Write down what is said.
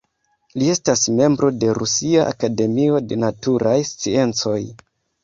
Li estas membro de Rusia Akademio de Naturaj Sciencoj.